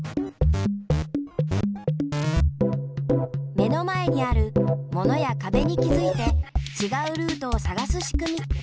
目の前にあるものやかべに気づいてちがうルートをさがすしくみでした。